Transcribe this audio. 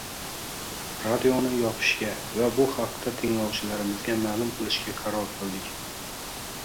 radioni yopishga va bu haqda tinglovchilarimizga ma’lum qilishga qaror qildik.